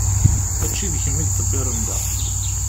Mačči d kemm i iḍebbiren da.